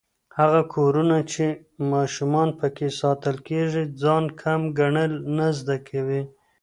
هغه کورونه چې ماشومان پکې ستايل کېږي، ځان کم ګڼل نه زده کوي.